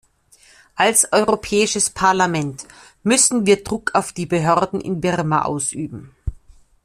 Als Europäisches Parlament müssen wir Druck auf die Behörden in Birma ausüben.